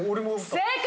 正解！